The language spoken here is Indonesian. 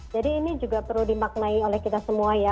jadi ini juga perlu dimaknai oleh kita semua ya